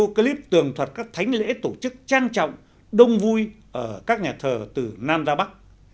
video clip tường thuật các thánh lễ tổ chức trang trọng đông vui ở các nhà thờ từ nam ra bắc